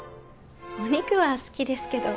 お肉は好きですけど。